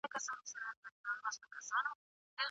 لاس ورکول خوندي دي.